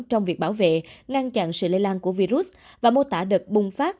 trong việc bảo vệ ngăn chặn sự lây lan của virus và mô tả đợt bùng phát